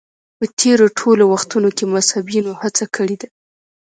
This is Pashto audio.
په تېرو ټولو وختونو کې مذهبیونو هڅه کړې ده